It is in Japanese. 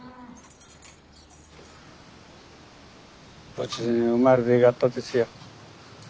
無事に生まれていがったですよ。